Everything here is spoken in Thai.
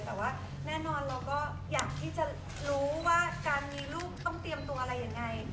แต่ว่าแน่นอนเราก็อยากที่จะรู้ว่าการมีลูกต้องเตรียมตัวอะไรยังไง